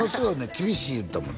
厳しい言うてたもん